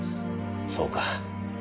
そうか。